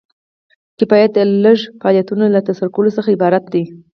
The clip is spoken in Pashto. کفایت د یو لړ فعالیتونو له ترسره کولو څخه عبارت دی.